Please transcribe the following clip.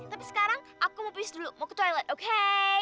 tapi sekarang aku mau piece dulu mau ke toilet oke